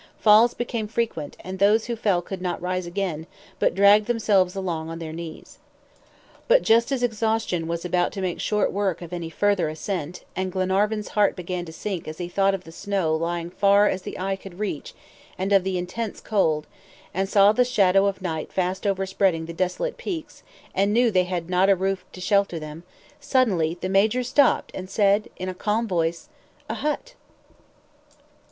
Falls became frequent, and those who fell could not rise again, but dragged themselves along on their knees. But just as exhaustion was about to make short work of any further ascent, and Glenarvan's heart began to sink as he thought of the snow lying far as the eye could reach, and of the intense cold, and saw the shadow of night fast overspreading the desolate peaks, and knew they had not a roof to shelter them, suddenly the Major stopped and said, in a calm voice, "A hut!"